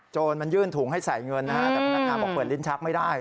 มันยื่นถุงให้ใส่เงินนะฮะแต่พนักงานบอกเปิดลิ้นชักไม่ได้